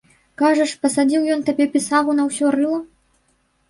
Кажаш, пасадзіў ён табе пісагу на ўсё рыла?!